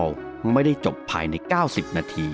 สวัสดีครับ